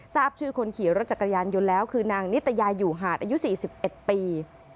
ทราบชื่อคนขี่รถจักรยานยนต์แล้วคือนางนิตยาอยู่หาดอายุ๔๑ปี